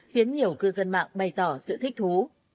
khiến nhiều cư dân mạng bày tỏ sự thích thú